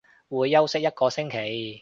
會休息一個星期